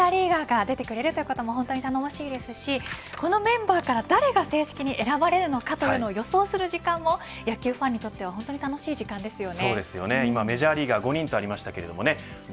メジャーリーガーが出てくれるということも本当に頼もしいですしこのメンバーから誰が正式に選ばれるのかということを予想する時間も野球ファンにとっては本当に楽しい時間ですよね。